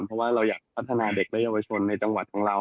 เพราะว่าเราอยากพัฒนาเด็กและเยาวชนในจังหวัดของเรา